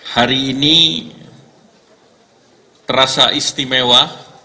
hari ini terasa istimewa